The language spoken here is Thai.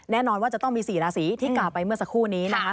แน่นอนว่าจะต้องมี๔ราศีที่กล่าวไปเมื่อสักครู่นี้นะคะ